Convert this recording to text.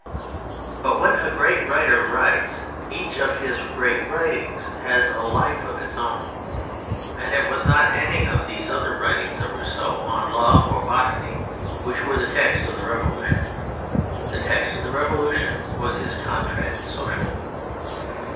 But when a great writer writes, each of his great writings has a life of its own, and it was 82 THE FRENCH REVOLUTION not any of these other writings of Rousseau, on love or botany, which were the text of the Revolution. The text of the Revolution was his Contrat Social.